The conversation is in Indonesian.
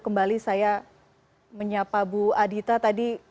kembali saya menyapa bu adita tadi